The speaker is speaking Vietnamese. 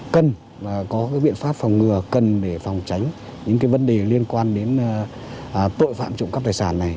cần có cái biện pháp phòng ngừa cần để phòng tránh những cái vấn đề liên quan đến tội phạm trộm các tài sản này